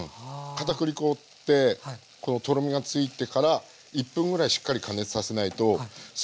片栗粉ってこのとろみがついてから１分ぐらいしっかり加熱させないとすぐにね緩むんですよ。